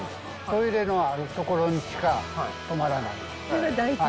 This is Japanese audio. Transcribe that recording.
トイレのある所にしか泊まらない。